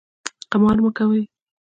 قمار مه کوئ